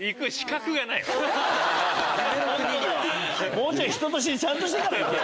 もうちょい人としてちゃんとしてから行け！